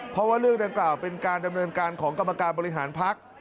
เพราะว่าเรื่องดังกล่าวเป็นการดำเนินการของกรรมการบริหารพัก